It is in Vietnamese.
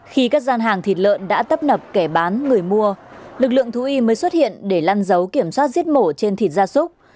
khi các gian hàng thịt lợn đã tấp nập kẻ bán người mua lực lượng thú y mới xuất hiện để lăn giấu kiểm soát giết mổ trên thịt gia súc